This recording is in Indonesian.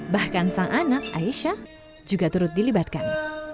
bahkan sang anak aisyah juga turut dilibatkan